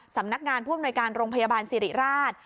สำนักงานผู้อำนวยการโรงพยาบาลสิริราช